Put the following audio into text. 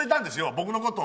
僕のことを。